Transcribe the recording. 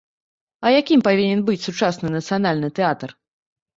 А якім павінен быць сучасны нацыянальны тэатр?